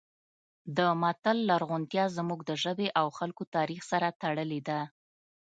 د متل لرغونتیا زموږ د ژبې او خلکو تاریخ سره تړلې ده